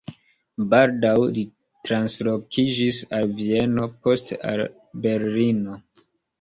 Baldaŭ li translokiĝis al Vieno, poste al Berlino.